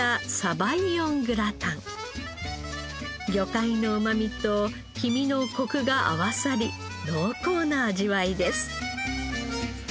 魚介のうまみと黄身のコクが合わさり濃厚な味わいです。